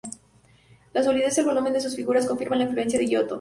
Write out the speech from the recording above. La solidez y el volumen de sus figuras confirman la influencia de Giotto.